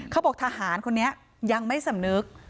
เขาบอกทหารคนนี้ยังไม่สำนึก